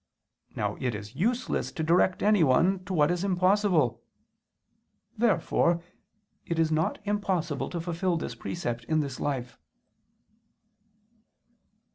Now it is useless to direct anyone to what is impossible. Therefore it is not impossible to fulfill this precept in this life.